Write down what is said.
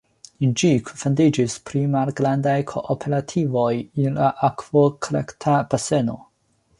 En ĝi kunfandiĝis pli malgrandaj kooperativoj en la akvokolekta baseno.